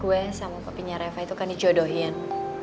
gue sama kepinya reva itu kan dijodohin